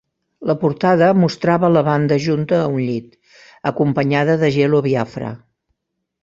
La portada mostrava la banda junta a un llit, acompanyada de Jello Biafra.